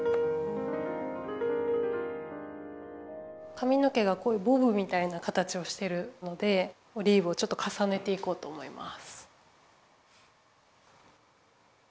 かみの毛がこういうボブみたいな形をしてるのでオリーブをちょっとかさねていこうと思います。